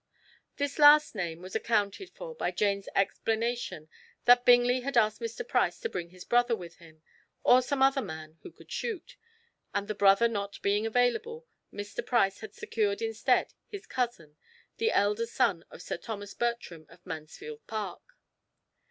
This last name was accounted for by Jane's explanation that Bingley had asked Mr. Price to bring his brother with him, or some other man who could shoot, and the brother not being available, Mr. Price had secured instead his cousin, the elder son of Sir Thomas Bertram of Mansfield Park.